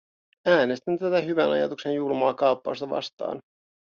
Äänestän tätä hyvän ajatuksen julmaa kaappausta vastaan.